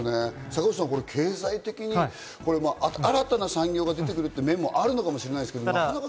坂口さん、経済的に新たな産業が出てくるという面もあるかもしれないですけど。